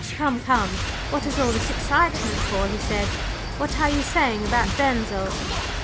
"Come, come, what is all this excitement for?" he said. "What are you saying about Denzil?"